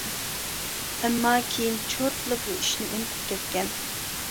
ئەمما كېيىن چورتلا بۇ ئىشنى ئۇنتۇپ كەتكەن.